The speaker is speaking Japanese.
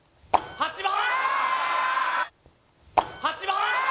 ８番！